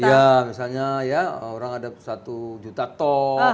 iya misalnya ya orang ada satu juta ton